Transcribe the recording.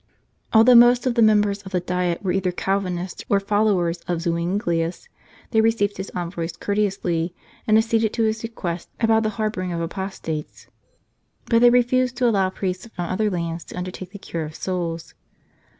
Although most of the members of the Diet were either Calvinists or followers of Zuinglius, they received his envoys courteously, and acceded to his request anent the harbouring of apostates ; but they refused to allow priests from other lands to undertake the cure of souls.